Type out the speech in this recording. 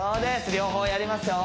両方やりますよ